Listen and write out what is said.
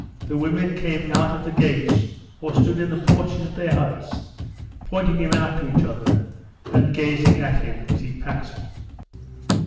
The women came out of the gates or stood in the porches of their huts, pointing him out to each other and gazing at him as he passed.